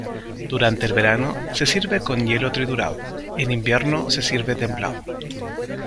Durante el verano se sirve con hielo triturado; en invierno se sirve templado.